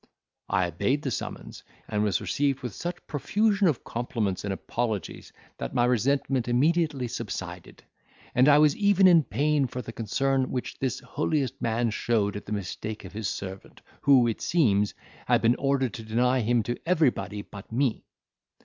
I obeyed the summons, and was received with such profusion of compliments and apologies, that my resentment immediately subsided, and I was even in pain for the concern which this holiest man showed at the mistake of his servant, who, it seems, had been ordered to deny him to everybody but me.